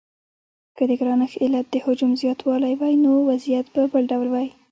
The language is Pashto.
که د ګرانښت علت د حجم زیاتوالی وای نو وضعیت به بل ډول و.